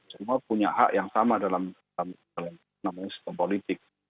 semua punya hak yang sama dalam sistem politik